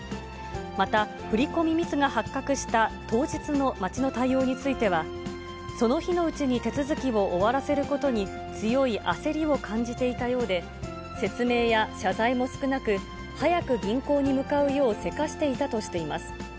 また振り込みミスが発覚した当日の町の対応については、その日のうちに手続きを終わらせることに、強い焦りを感じていたようで、説明や謝罪も少なく、早く銀行に向かうよう、せかしていたとしています。